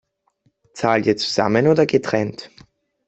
Zahlt ihr zusammen oder getrennt?